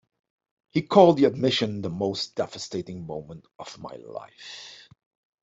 He called the admission the most devastating moment of my life.